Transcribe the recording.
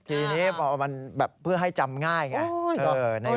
ทีนี้พอมันแบบเพื่อให้จำง่ายไง